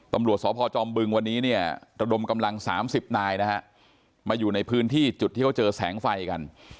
ตำรวจสพจอมบึงวันนี้เนี่ยระดมกำลัง๓๐นายนะฮะมาอยู่ในพื้นที่จุดที่เขาเจอแสงไฟกัน